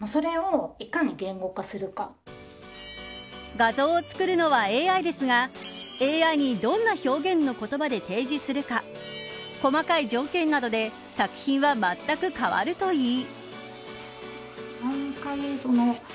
画像を作るのはＡＩですがＡＩにどんな表現の言葉で提示するか細かい条件などで作品はまったく変わるといい。